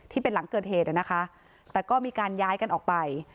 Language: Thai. ที่เป็นหลังเกิดเหตุนะคะแต่ก็มีการย้ายกันออกไป